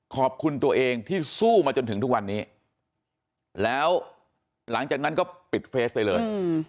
ขอบคุณตัวเองที่สู้มาจนถึงทุกวันนี้แล้วหลังจากนั้นก็ปิดเฟสไปเลย